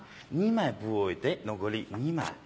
２枚ブ置いて残り２枚。